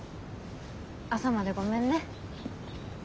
朝までごめんね。